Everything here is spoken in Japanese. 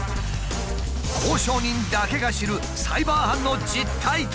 交渉人だけが知るサイバー犯の実態とは？